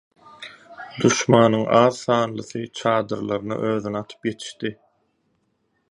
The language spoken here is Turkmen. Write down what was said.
Duşmanyň az sanlysy çadyrlaryna özüni atyp ýetişdi.